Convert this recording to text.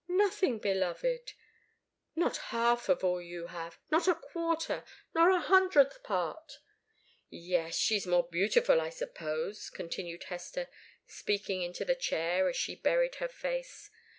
"Nothing, beloved not half of all you have, not a quarter nor a hundredth part " "Yes she's more beautiful, I suppose," continued Hester, speaking into the chair as she buried her face.